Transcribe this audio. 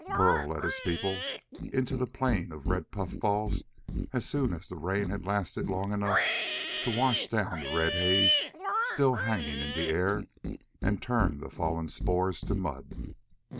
Burl led his people into the plain of red puffballs as soon as the rain had lasted long enough to wash down the red haze still hanging in the air and turn the fallen spores to mud.